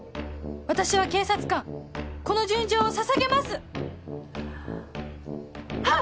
私は警察官この純情をささげます！はっ！